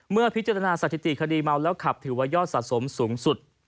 เมื่อพิจารณาสถิติคดีเมาแล้วขับถือว่ายอดสะสมสูงสุด